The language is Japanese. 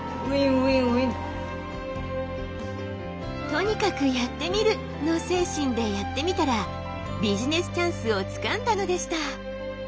「とにかくやってみる」の精神でやってみたらビジネスチャンスをつかんだのでした。